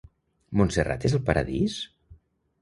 Montserrat és el paradís?